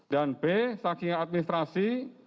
dan b saking administrasi